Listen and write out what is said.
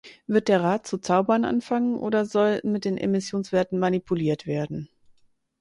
Wird der Rat zu zaubern anfangen, oder soll mit den Emissionswerten manipuliert werden?